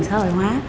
xã hội hóa